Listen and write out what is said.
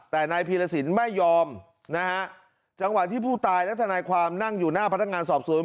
แต่นายพีรสินไม่ยอมนะฮะจังหวะที่ผู้ตายและทนายความนั่งอยู่หน้าพนักงานสอบสวน